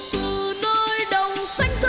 từ nơi đông xanh thơ